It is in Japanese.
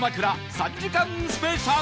３時間スペシャル